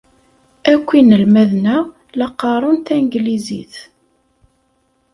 Akk inelmaden-a la qqaren tanglizit.